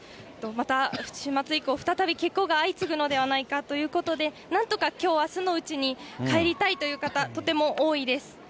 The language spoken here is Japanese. また週末以降、再び欠航が相次ぐのではないかということで、なんとかきょう、あすのうちに帰りたいという方、とても多いです。